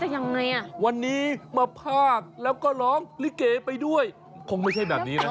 ยังไงอ่ะวันนี้มาพากแล้วก็ร้องลิเกไปด้วยคงไม่ใช่แบบนี้นะ